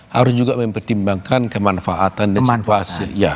harus juga mempertimbangkan kemanfaatan dan simpasi